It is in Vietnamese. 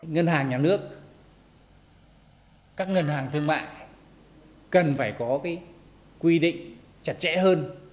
ngân hàng nhà nước các ngân hàng thương mại cần phải có quy định chặt chẽ hơn